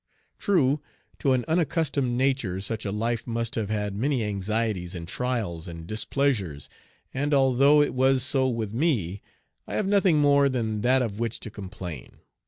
True, to an unaccustomed nature such a life must have had many anxieties and trials and displeasures, and, although it was so with me, I have nothing more than that of which to complain.